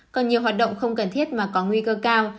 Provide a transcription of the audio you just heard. còn nhiều hoạt động không cần thiết mà có nguy cơ cao